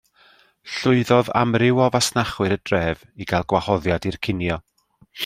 Llwyddodd amryw o fasnachwyr y dref i gael gwahoddiad i'r cinio.